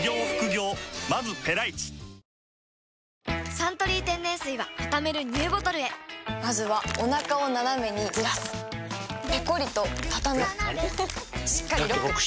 「サントリー天然水」はたためるＮＥＷボトルへまずはおなかをナナメにずらすペコリ！とたたむしっかりロック！